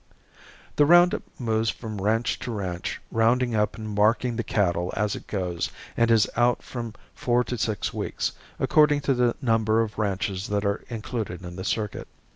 The round up moves from ranch to ranch rounding up and marking the cattle as it goes and is out from four to six weeks, according to the number of ranches that are included in the circuit.